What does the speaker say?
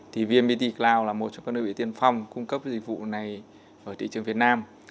thì vnpt cloud là một trong các đơn vị tiên phong cung cấp dịch vụ này ở thị trường việt nam